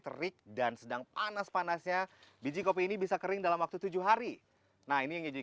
terik dan sedang panas panasnya biji kopi ini bisa kering dalam waktu tujuh hari nah ini yang jadi